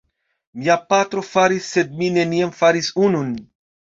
Mia patro faris, sed mi neniam faris unun.